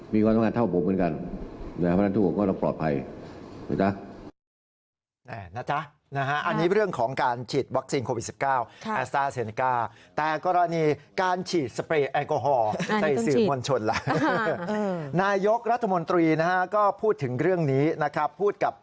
มีคนทำงานเท่าผมเหมือนกัน